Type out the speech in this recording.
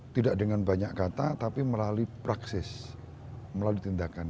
tidak dengan banyak kata tapi melalui praksis melalui tindakan